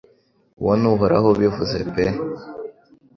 Uwo ni Uhoraho ubivuze pe